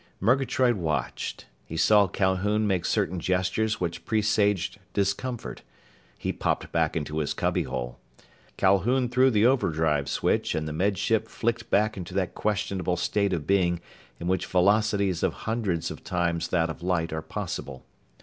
Murgatroyd watched. He saw Calhoun make certain gestures which presaged discomfort. He popped back into his cubbyhole. Calhoun threw the overdrive switch and the Med Ship flicked back into that questionable state of being in which velocities of hundreds of times that of light are possible.